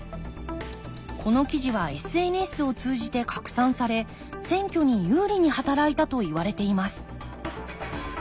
この記事はＳＮＳを通じて拡散され選挙に有利に働いたといわれています